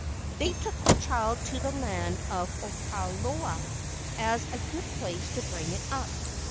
They took the child to the land of Opaeloa, as a good place to bring it up.